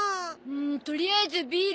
んとりあえずビール。